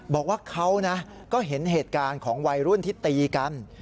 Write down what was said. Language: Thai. บอกว่าเขาก็เห็นเหตุการณ์ของวัยรุ่นที่ตีกัน